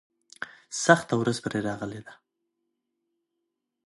سخته ورځ پرې راغلې ده.